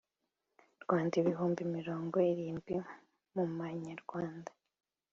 Rwanda ibihumbi mirongo irindwi muma nyarwanda